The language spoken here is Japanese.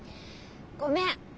ごめん。